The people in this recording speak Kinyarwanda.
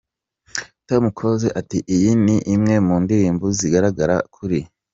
Tom Close ati, Iyi ni imwe mu ndirimbo zizagaragara kuri.